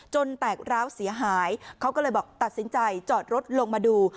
แตกร้าวเสียหายเขาก็เลยบอกตัดสินใจจอดรถลงมาดู